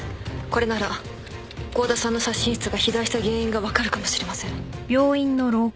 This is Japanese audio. これなら郷田さんの左心室が肥大した原因が分かるかもしれません。